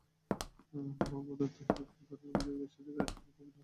ভুয়া ভোটার তালিকা তৈরির অভিযোগে ব্যবসায়ীদের একটি পক্ষ নির্বাচন বর্জন করেছে।